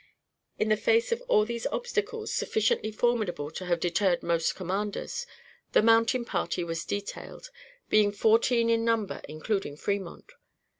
In the face of all these obstacles, sufficiently formidable to have deterred most commanders, the mountain party was detailed, being fourteen in number including Fremont.